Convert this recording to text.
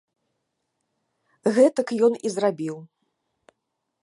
Гэтак ён і зрабіў.